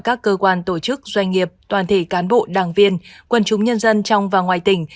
các cơ quan tổ chức doanh nghiệp toàn thể cán bộ đảng viên quân chúng nhân dân trong và ngoài tỉnh